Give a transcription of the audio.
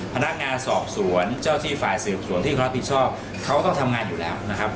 พนักงานสอบสวนเจ้าที่ฝ่ายสืบสวนที่รับผิดชอบเขาก็ต้องทำงานอยู่แล้วนะครับ